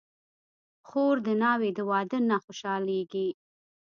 خور د ناوې د واده نه خوشحالېږي.